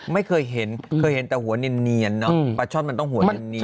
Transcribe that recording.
ไม่เคยเห็นเคยเห็นแต่หัวเนียนเนอะปลาช่อนมันต้องหัวเนียน